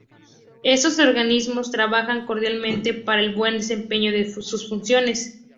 Estos organismos trabajan coordinadamente para el buen desempeño de sus funciones.